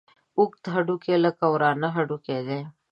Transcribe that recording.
اوږده هډوکي لکه د ورانه هډوکي دي.